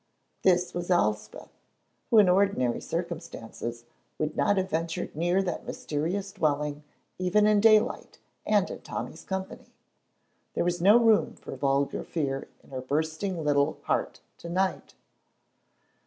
This was Elspeth, who in ordinary circumstances would not have ventured near that mysterious dwelling even in daylight and in Tommy's company. There was no room for vulgar fear in her bursting little heart to night.